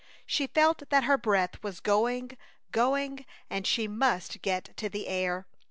She felt that her breath was going, going, and she must get to the air.